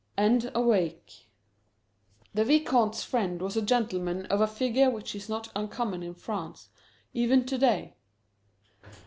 AND AWAKE. The Vicomte's friend was a gentleman of a figure which is not uncommon in France, even to day.